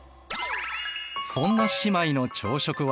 そんな姉妹の朝食は？